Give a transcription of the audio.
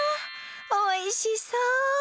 おいしそう！